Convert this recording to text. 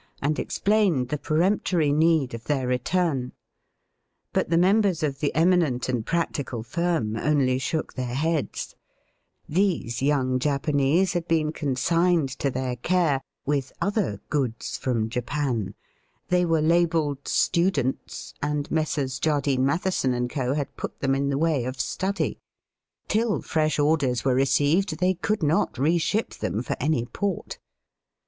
and explained the peremptory need of their return. But the members of the eminent and practical firm only shook their heads. These young Japanese had been consigned to their care with other goods from Japan. They were labelled *' students," and Digitized by VjOOQIC A PEBSONAL EPISODE IN HISTOBT. 31 Messrs. Jardine, Matheson, & Co. had put them in the way of study: till fresh orders were received, they could not reship them for any port.